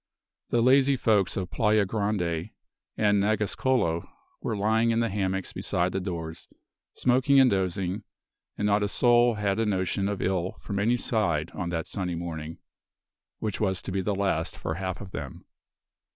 The lazy folks of Playa Grande and Nagascolo were lying in the hammocks beside the doors, smoking and dozing, and not a soul had a notion of ill from any side on that sunny morning, which was to be the last for half of them.